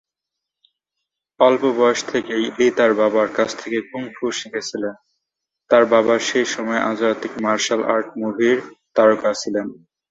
অল্প বয়স থেকেই, লি তার বাবার কাছ থেকে কুং-ফু শিখেছিলেন, তার বাবা সেই সময়ের আন্তর্জাতিক মার্শাল আর্ট মুভি তারকা ছিলেন।